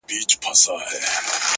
سیاه پوسي ده، جنگ دی جدل دی،